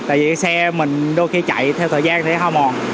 tại vì xe mình đôi khi chạy theo thời gian thì hao mòn